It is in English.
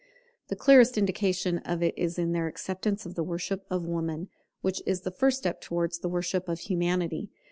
The clearest indication of it is in their acceptance of the worship of Woman, which is the first step towards the worship of Humanity.